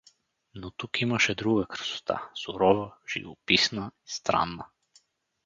Но тук имаше друга красота, сурова, живописна н странна.